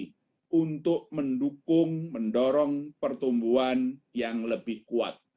kita untuk mendukung mendorong pertumbuhan yang lebih kuat